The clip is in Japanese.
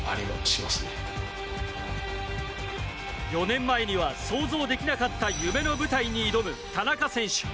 ４年前には想像できなかった夢の舞台に挑む田中選手。